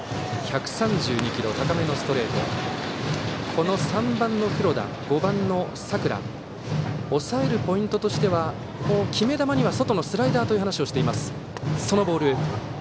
この３番の黒田、５番の佐倉を抑えるポイントとしては決め球には外のスライダーという話をしています。